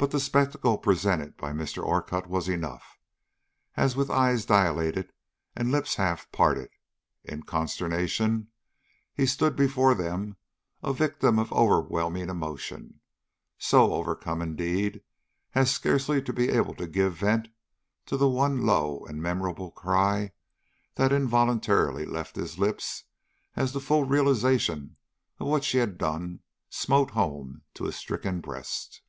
But the spectacle presented by Mr. Orcutt was enough, as with eyes dilated and lips half parted in consternation, he stood before them a victim of overwhelming emotion; so overcome, indeed, as scarcely to be able to give vent to the one low and memorable cry that involuntarily left his lips as the full realization of what she had done smote home to his stricken breast.